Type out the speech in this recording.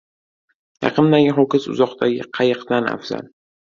• Yaqindagi ho‘kiz uzoqdagi qayiqdan afzal.